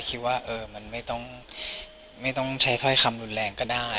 คิดว่ามันไม่ต้องใช้ถ้อยคำรุนแรงก็ได้